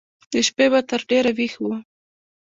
د شپې به تر ډېره ويښ و.